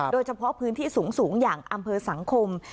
โดยเฉพาะพื้นที่สูงอย่างอำเภอสังคม